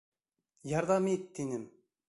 Ярҙам ит, тинем.